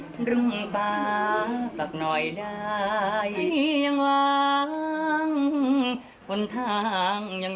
ครับจะเราโอเคอะไรบ้างคะไปกันได้บ้าง